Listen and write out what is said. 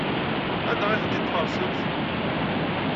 Anda ay ten-id-tfarsemt?